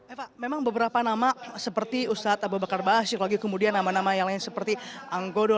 eva memang beberapa nama seperti ustadz abu bakar basir lagi kemudian nama nama yang lain seperti anggodo